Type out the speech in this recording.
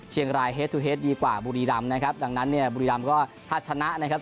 เชียงรายเฮสตูเฮดดีกว่าบุรีรำนะครับดังนั้นเนี่ยบุรีรำก็ถ้าชนะนะครับ